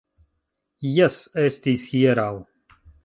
Jes... estis hieraŭ...